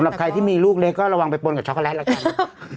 สำหรับใครที่มีลูกเล็กก็ระวังไปปนกับช็อกโกแลตล่ะค่ะ